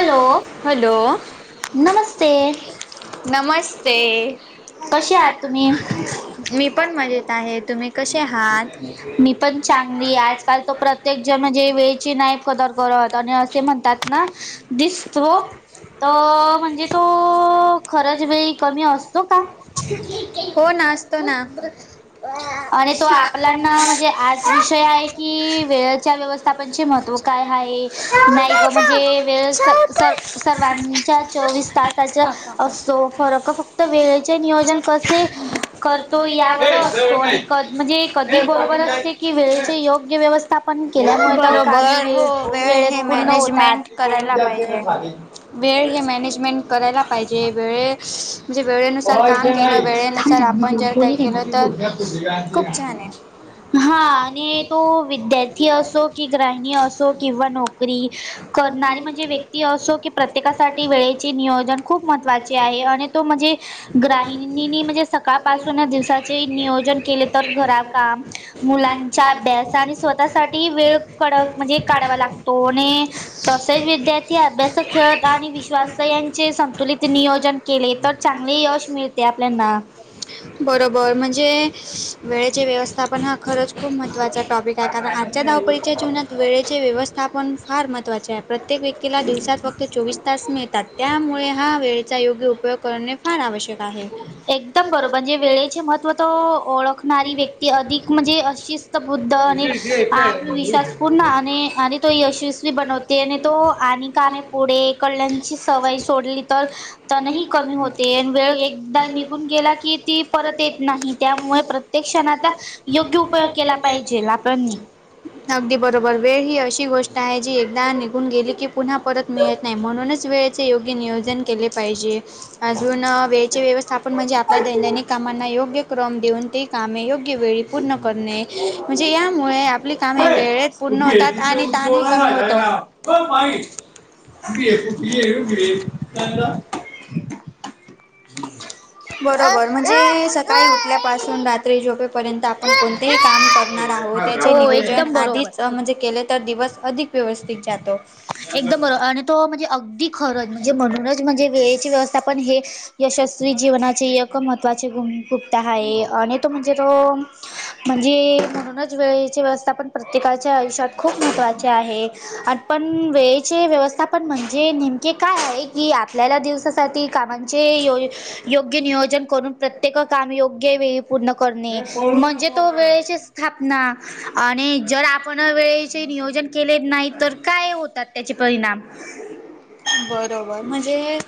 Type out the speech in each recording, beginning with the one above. Hello, hello नमस्ते. नमस्ते, कसे आहात तुम्ही मी पण मजेत आहे. तुम्ही? कसे आहात मी पण छान आजकाल तो प्रत्येक जण म्हणजे वेळची नाही कदर करत. आणि असे म्हणतात ना दिसतो. तर म्हणजे तो खरच वेळी कमी असतो का? हो ना असतो ना. आणि तो आपलाना, म्हणजे आज विषय आहे की वेळेच्या व्यवस्थ थापची महत्व काय आहे. नाही ग, म्हणजे वेळच. स सर् सर्वांच्या चोवीस तासाचा असो फरक फक्त वेळेचे नियोजन कसे करतो यावर असतो. आणि क म्हणजे कधी बरोबर असते की वेळेचे योग्य व्यवस्थापन केल्यामुळे, तर काम बरोबर वेळ हो वेळेत हे पूर्ण होतात. मॅनेजमेंट करायला पाहिजे. वेळ हे मॅनेजमेंट करायला पाहिजे वेळे [inaudible] म्हणजे वेळेनुसार काम केलं वेळेनुसार आपण जर काही केलं तर खूप छान आहे [unintelligible] हा, आणि तो विद्यार्थी असो, कि ग्राहिणी असो किंवा नो करी, करणारी म्हणजे व्यक्ती असो की प्रत्येकासाठी वेळेची नियोजन खूप महत्त्वाचे आहे. आणि तो म्हणजे ग्राहिणीनी म्हणजे सकाळपासून दिवसाचे नियोजन केले तर घरा काम मुलांच्या अभ्यास, आणि स्वतःसाठी वेळ कडक म्हणजे काढावा लागतो आणि तसेच विद्यार्थी अभ्यास खेळत आणि विश्वास यांचे संतुलित नियोजन केले तर चांगले यश मिळते. ते आपल्याना. बरोबर. म्हणजे वेळेचे व्यवस्थापन हा खरंच खूप महत्त्वाचा टॉपिक त्या कारण, आजच्या धावपळीच्या जीवनात वेळेचे व्यवस्थापन फार महत्त्वाचे आहे. प्रत्येक व्यक्तीला दिवसात फक्त चोवीस तास मिळतात त्यामुळे हा वेळेचा योग्य उपयोग करणे. फार आवश्यक आहे. एकदम बरोबर म्हणजे वेळेचे महत्त्व तर ओळखणारी व्यक्ती अधिक म्हणजे अशीच. बुद्ध आणि आत्मविश्वास पूर्ण आणि आणि तो यशस्वी बनवते आणिते हो आणि का आम्ही पुढे कडल्यांची सवय सोडली तर तणही कमी होते वेळ एकदा निघून गेला की ती परत येत नाही त्यामुळे प्र त्या क्षणांचा योग्य उपयोग केला पाहिजे आपणनी. अगदी बरोबर वेळ ही अशी गोष्ट आहे. जी एकदा निघून गेली की पुन्हा परत मिळत नाही म्हणूनच वेळेचे योग्य नियोजन केले पाहिजे. अजून वेळचे व्यवस्थापन म्हणजे आपल्या दैनदनिक कामांना योग्य क्रम देऊन ते कामे योग्य वेळी पूर्ण करणे म्हणजे यामुळे आपली कामे वेळेत पूर्ण होतात. आणि ताणही कमी होतं. [inaudible] [unintelligible] बरोबर म्हणजे, सकाळी उठल्यापासून रात त्रि झोपेपर्यंत आपण कोणतेही काम करणार आहोत त्याचे हो नियोजन एकदम बरोबर. आधीच म्हणजे केले तर दिवस अधिक व्यवस्थित जातो. एकदम आणि तो म्हणजे अगदी खरंच म्हणजे म्हणूनच म्हणजे वेळेची व्यवस्था पण हे यशस्वी जीवनाचे एक महत्त्वाचे गुण गुप्ता आहे. आणि तु [unintelligible] म्हणजे म्हणूनच वेळेची व्यवस्थापण प्रत्येकाच्या आयुष्यात खूप महत्त्वाचे आहे आणि पण वेळेचे व्यवस्थापन म्हणजे नेमके काय आहे. की आपल्याला दिवसासाठी कामांचे योग्य नियोजन करून प्रत्येक काम योग्य वेळी पूर्ण करणे म्हणजे तो वेळेची स्थापना आणि जर आपण वेळेचे नियोजन केले नाही. तर काय होतात त्याचे परिणाम.? बरोबर म्हणजे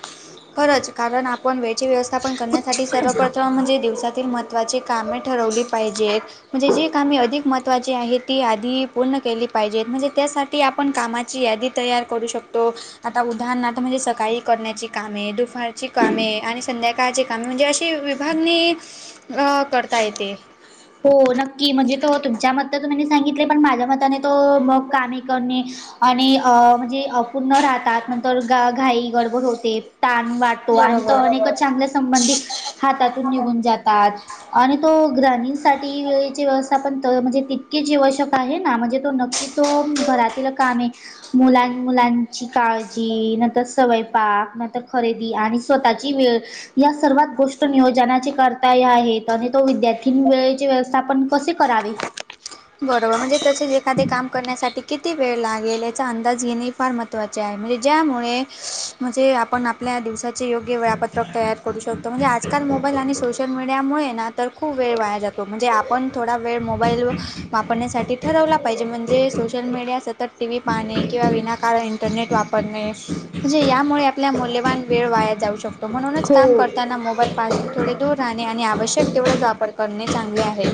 खरंच. कारण आपण वेळचे व्यवस्थापन करण्यासाठी सर्वप्रथम म्हणजे दिवसातील मत महत्त्वाची कामे ठरवली पाहिजेत. म्हणजे जे काम अधिक महत्त्वाची आहेत ती आधी पूर्ण केली पाहिजेत म्हणजे त्यासाठी ती आपण कामाची यादी तयार करू शकतो. आता उदाहरणार्थ, म्हणजे सकाळी करण्याची कामे दुपार ची कामे आणि संध्याकाळची कामे म्हणजे अशी विभागणी करता येते. हो नक्की म्हणजे तो तुमच्या मत तर तुम्ही सांगितले पण माझ्या मताने तो मग कामे करणे. आणि अ म्हणजे अपूर्ण राहतात. नंतर घाई गडबड होते ताण वाट आणि त बरोबर. अनेक चांगल्या संबंधी हातातून निघून जातात. आणि तो ग्रामीणसाठी वेळेची व्यवस्था पण म्हणजे तितकीेच आवश्यक आहे ना म्हणजे तो नक्की तो घरातील कामे मुलां मुलांची काळजी नंतर स्वयंपाक नंतर खरेदी आणि स्वतःची वेळ या सर्वात गोष्ट नियोजनाचे करता या आहेत. तो विद्यार्थीनी वेळेची व्यवस्थापन कसे करावी. बरोबर म्हणजे तसेच एखादे काम करण्यासाठी किती वेळ लागेल. याचा अंदाज येणे फार महत्त्वाचे आहे. म्हणजे ज्यामुळे म्हणजे आपण आपल्या दिवसात चे योग्य वेळापत्रक तयार करू शकतो म्हणजे आजकाल मोबाईल आणि सोशल मीडियामुळे ना तर खूप वेळ वाया जातो म्हणजे आपण थोडा वेळ मोबाईल व वापरण्यासाठी ठरवला. पाहिजे म्हणजे, सोशल मीडिया सतत टीव्ही पाहणे किंवा विनाकारण इंटरनेट वापरणे. म्हणजे यामुळे आपल्या मूल्यवान वेळ वाया जाऊ शकतो, म्हणूनच काम हो करताना मोबाईल पासून थोडे दूर राहणे आणि आवश्यक तेवढाच वापर करणे चांगले आहे.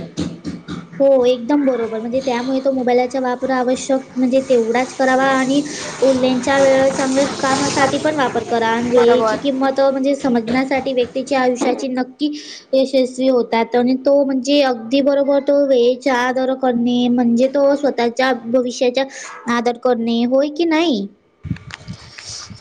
हो एकदम बरोबर म्हणजे त्यामुळे तो मोबाईलाचा वापरा आवश्यक म्हणजे तेवढाच करावा आणि उरलेंच्या वेळ चांगल्या कामासाठी पण वापर करा आणि वेळेची बरोबर किंमत त म्हणजे समजण्यासाठी व्यक्तीच्या आयुष्याची नक्की यशस्वी होतात आणि तो म्हणजे अगदी बरोबर तो वेळेचा आदर करणे म्हणजे तो स्वतः च्या भविष्याच्या आदर करणे होय की नाही.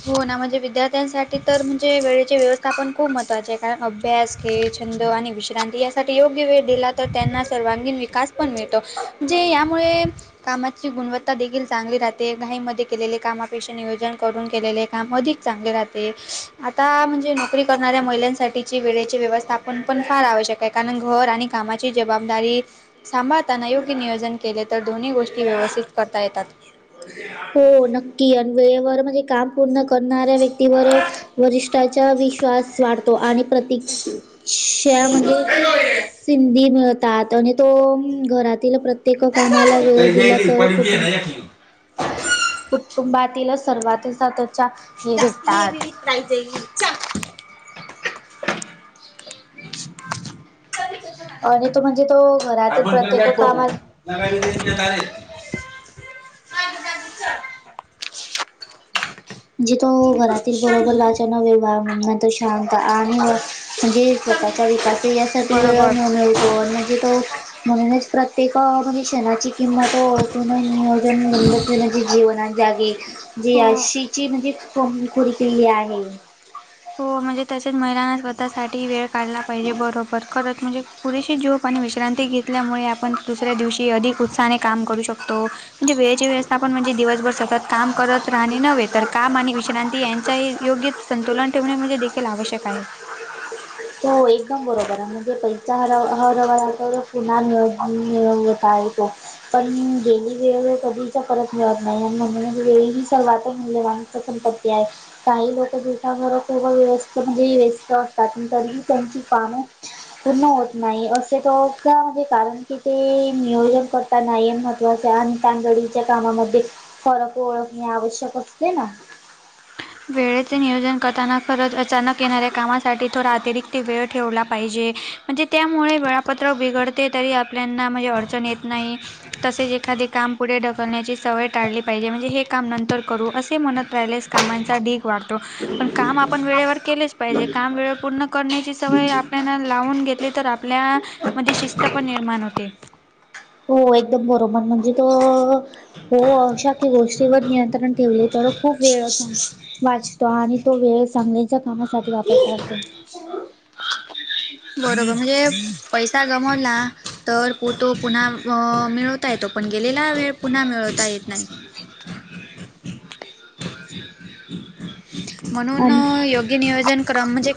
हो ना म्हणजे विद्यार्थ्यांसाठी तर म्हणजे वेळेचे व्यवस्थापण खूप महत्त्वाचे कारण अभ्यास, खेळ, छंद आणि विश्रांती अस साठी योग्य वेळ दिला तर त्यांना सर्वांगीण विकास पण मिळतो. म्हणजे यामुळे कामाची गुणवत्ता देखील चांगली राहते घाईमध्ये केलेले कामापेक्षा नियोजन करून केलेले काम अधिक चांगले राहते, आता म्हणजे नोकरी करणाऱ्या महिलांसाठी ची वेळेची व्यवस्थापन पण फार आवश्यक आहे, कारण घर आणि कामाची जबाबदारी सांभाळताना योग्य नियोजन केले तर दोन्ही गोष्टी व्यवस्थित करता येतात. हो नक्की आणि वेळेवर म्हणजे काम पूर्ण करणाऱ्या व्यक्तीवरच वरिष्ठाचा विश्वास वाढतो आणि प्रती श्या म्हणजे सिंधी मिळतात आणि तो घरातील प्रत्य ते क कामाला वेळ दिला गेली तर परी घे कुठं ना एकली कुटुंबातील सर्वात सततच्या हे भेटतात. कायमचे [unintelligible] चा आणि तो म्हणजे तो घरातील आपण प्रत्येक त्यालाच कामात [inaudible] का की च जिथं घरातील बरोबर लाच्यान वेव वाव म्ह नंतर शांत आणि म्हणजे स्वतःच्या विकास यासाठी वेळ बरोबर म्हन हो, म्हणजे तो म्हणूनच प्रत्येक म्हणजे क्षणाची किंमत हो पण नियोजन मंद केलं की जीवना जागी, जी हो याशी म्हणजेच, कोणी खोडी केली आहे. हो, म्हणजे तसेच महिलांना स्वतःसाठी वेळ काढला पाहिजे, बरोबर खरचं म्हणजे पुरेशी झोप आणि विश्रांती घेतल्यामुळे, आपण दुसऱ्या दिवशी अधिक उत्साहाने काम करू शकतो. म्हणजे वेळेची व्यवस्थापन म्हणजे दिवसभर सतत काम करत राहणे नव्हे, तर काम आणि विश्रांती यांच्याही योग्य संतुलन ठेवणे म्हणजे देखील आवश्यक आहे. हो एकदम बरोबर आहे, म्हणजे पैसा हरव हा जवळ आला तर पुन्हा मिळ मिळवता येतो पण गेलेली वेळ कधीच परत मिळत नाही आणि म्हणून वेळ हि सर्वातच मौल्यवान तर संपती हाय, काही लोक दिवसा बरो व्यवस्थित व्यस्त असतात, तरी कोंची कामं पूर्ण होत नाही, असे तर का म्हणजे कारण की ते नियोजन कर तर नाही महत्त्वाचं आणि तांदडीच्या कामामध्ये फरक ओळख हे आवश्यक असते ना. वेळेचे नियोजन करताना खरज अचानक येणाऱ्या कामासाठी थोडा अतिरिक्त ते वेळ ठेवला पाहिजे, म्हणजे त्यामुळे वेळापत्र बिघडते तरी आपल्याना म्हणजे अडचण येत नाही तसेच एखादे काम पुढे ढकलण्याची सवय टाळली पाहिजे, म्हणजे हे काम नंतर करू असे म्हणत प्रलेस कामांच ढीक वाढतो पण काम आपण वेळेवर केलेच पाहिजे. काम वे पूर्ण करण्याची सवय आपल्याला लावून घेतले तर आपल्या मध्ये शिस्त पण निर्माण होते. हो एकदम बरोबर म्हणजे तो हो अशाी गोष्टीवर नियंत्रण ठेवले तर खूप वेळच वाचतो आणि तो वेळ चांगल्याच्या कामासाठी वापरत येतो. बरोबर म्हणजे पैसा गमवला, तर पो तो पुन्हा मिळवता येतो, पण गेलेला वेळ पुन्हा मिळवता येत नाही. [inaudible] म्हणून आणि योग्य नियोजन, क्रम म्हणजे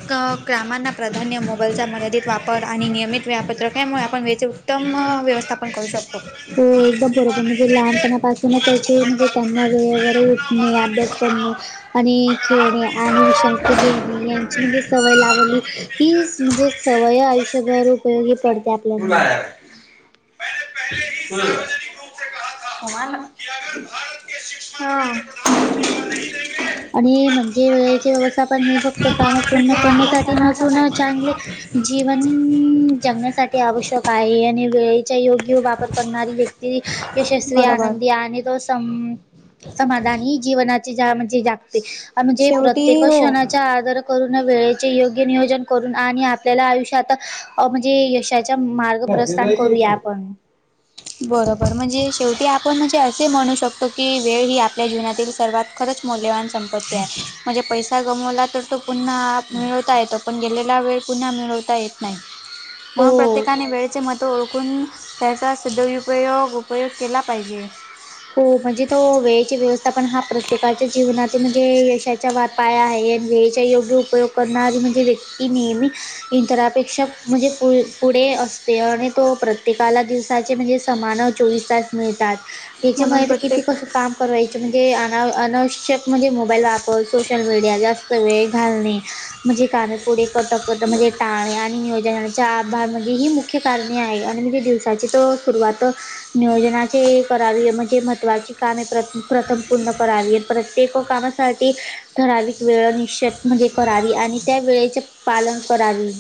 क्रमांना प्रधान्य मोबालचा मर्यादित वापर आणि नियमित व्यापत्रकामुळे आपण वेळेचे उत्तम व्यवस्थापन करू शकतो. हो एकदम बरोबर म्हणजे लहानपणापासून त्याचे म्हणजे त्यांना वेळेवर उटणे, अभ्यास करणे, आणि खेळणे आणि विश्रांती घेणे यांची म्हणजे सवय लावली. की म्हणजे सवय आयुष्यभर उपयोगी पडते आपल्याना [inaudible] हम् हा आणि म्हणजे वेळेची व्यवस्थापन हे फक्त काम पूर्ण करण्यासाठी नसून चांगले हा. जीवन जगण्यासाठी आवश्यक आहे. आणि वेळेचा योग्य वापर करणारी व्यक्ती व्यक्ती यशस्वी, बरोबर आनंदी आणि आणि तो स समाधान हे जीवनाच्या जगामध्ये जगते. म्हणजे शेवटी प्रत्येक हो क्षणाच्या आर पूर्ण वेळेचे योग्य नियोजन करून आणि आपल्याला आयुष्य आता म्हणजे यशाच्या मार्ग प्रस्थान करूया आपण, बरोबर म्हणजे शेवटी आपण म्हणजे असे म्हणू शकतो की, वेळ ही आपल्या आपल्या जीवनातील सर्वात खरंच मौल्यवान संपत्ती आहे. म्हणजे पैसा गमवला तर तो पुन्हा मिळवता येतो पण गेलेला वेळ पुन्हा मिळवता येत नाही. म्हणून हो प्रत्येकाने वेळेचे महत्त्व ओळखून त्याचा सदुपयोग उपयोग केला पाहिजे. हो म्हणजे तो वेळेचे व्यवस्थापन हा प्रत्येकाच्या जीवनात म्हणजे यशाच्या वर पाया आहे. वेळेचे योग्य उपयोग करणारी म्हणजे व्यक्ती नेहमी इंतरापेक्षा म्हणजे पुढे असते. आणि तो प्रत्येकाला दिस दिवसाचे म्हणजे समान चोवीस तास मिळतात. म्हणून त्याच्यामुळे तो किती प्रत्येक कस काम करायचे म्हणजे अना अनावश्यक म्हणजे मोबाईल वापर सोशल मीडिया या जास्त वेळ घालवणे, [unintelligible] मुख्य कारणे आहे आणि म्हणजे दिवसाची तो सुरुवात नियोजनाचे करावे म्हणजे महत्वाची काम प्रत्येक प्रथम पूर्ण करावी. प्रत्येक कामासाठी ठराविक वेळ निश्चित म्हणजे करावी आणि त्या वेळेचे पालन करावे.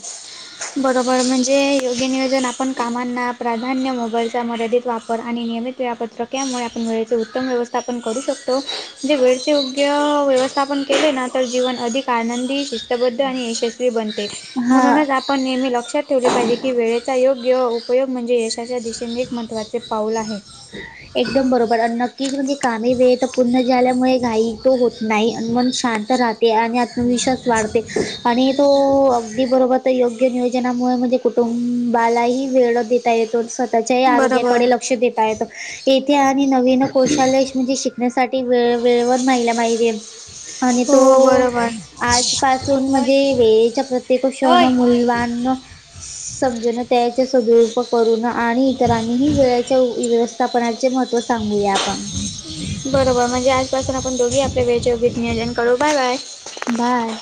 बरोबर म्हणजे योग्य नियोजन आपण कामांना प्रा मान्य मोबाईलचा मर्यादित वापर आणि नियमित वेळापत्रक यामुळे आपण वेळेचे उत्तम व्यवस्थापन करू शकतो. शकतो म्हणजे वेळचे योग्य व्यवस्थापन केले ना, तर जीवन अधिक आनंदी शिस्तबद्ध आणि यशस्वी बनते, हा म्हणूनच आपण नेहमी लक्षात ठेवले पाहिजे की, वेळेचा योग्य उपयोग म्हणजे यशाच्या दिशेने एक महत्त्वाचे पाऊल आहे. एकदम बरोबर अन्न तीच म्हणजे कामे वेळेत पुर्ण झाल्यामुळे घाई त होत नाही आणि मन शांत राहत. ते आणि आत्मविश्वास वाढते आणि तो अगदी बरोबर ते योग्य नियोजनामुळे म्हणजे कुटुंबालाही वेळ देता येतो स्वतःच्याही बरोबर आरोग्याकडे लक्ष देता येत. येथे आणि नवीन कौशालेस म्हणजे शिकण्यासाठी वेळ वेळेवर महिला पाहिजे. आणि हो तो बरोबर आजपासून म्हणजे वेळेच्या प्रत्येक क्षण होय मुळी लहान म [unintelligible] ससमजण [unintelligible] त्याचे सदुपयोग करून आणि इतरांनीही वेळेच्या वेळेस पनाचे महत्व सांगूया बरोबर म्हणजे आजपासून आपण दोघी आपल्या वेळेचे नीट नियोजन करू बाय बाय. बाय.